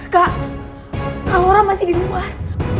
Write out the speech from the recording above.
kak kalau orang masih di luar